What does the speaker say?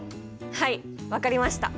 はい分かりました！